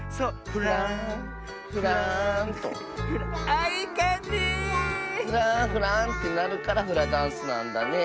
フランフランってなるからフラダンスなんだね。